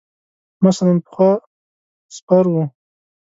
مثلاً پخوا سپر ؤ.